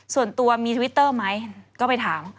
ส่วนตัวมีทวิตเตอร์ไหมก็ไปถาม